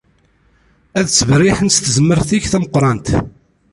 Ad ttberriḥen s tezmert-ik tameqrrant.